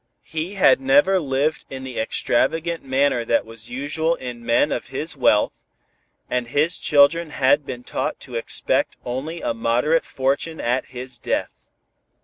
He had never lived in the extravagant manner that was usual in men of his wealth, and his children had been taught to expect only a moderate fortune at his death.